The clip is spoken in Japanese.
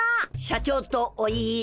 社長とお言い。